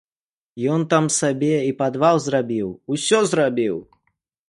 Ён там сабе і падвал зрабіў, усё зрабіў!